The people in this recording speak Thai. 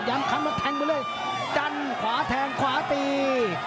ยันคำแล้วแทงไปเลยจันขวาแทงขวาตี